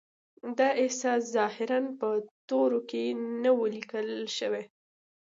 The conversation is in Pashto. دا احساس ظاهراً په تورو کې نه و لیکل شوی